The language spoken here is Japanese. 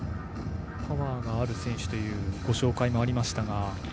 パワーがある選手というご紹介もありましたが。